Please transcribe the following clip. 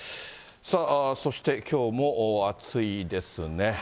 さあ、そしてきょうも暑いですね。